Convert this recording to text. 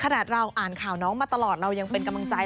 ขนาดเราอ่านข่าวน้องมาตลอดเรายังเป็นกำลังใจ